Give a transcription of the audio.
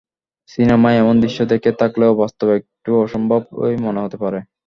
সিনেমায় এমন দৃশ্য দেখে থাকলেও বাস্তবে একটু অসম্ভবই মনে হতে পারে।